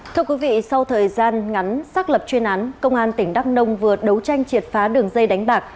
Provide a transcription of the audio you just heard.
thưa quý vị sau thời gian ngắn xác lập chuyên án công an tỉnh đắk nông vừa đấu tranh triệt phá đường dây đánh bạc